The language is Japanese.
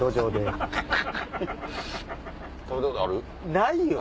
ないよ！